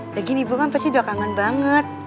ya gini ibu kan pasti udah kangen banget